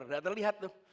tidak terlihat tuh